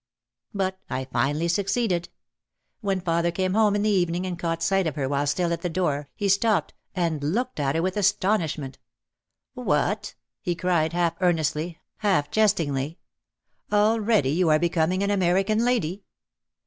But I finally succeeded. When father came home in the evening and caught sight of her while still at the door, he stopped and looked at her with astonishment. "What!" he cried, half ear nestly, half jestingly, "Already you are becoming an American lady!"